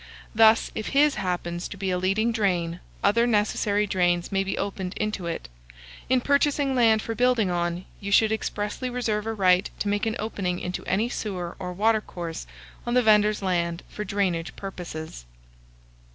Thus, if his happens to be a leading drain, other necessary drains may be opened into it. In purchasing land for building on, you should expressly reserve a right to make an opening into any sewer or watercourse on the vendor's land for drainage purposes.